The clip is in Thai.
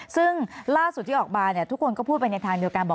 ซึ่งล่าสุดที่ออกมาทุกคนก็พูดไปในทางเดียวกันบอก